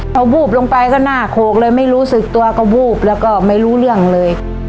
พอวูบลงไปก็หน้าโขกเลยไม่รู้สึกตัวก็วูบแล้วก็ไม่รู้เรื่องเลย